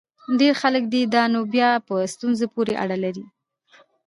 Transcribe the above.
ډېر خلک دي؟ دا نو بیا په ستونزه پورې اړه لري.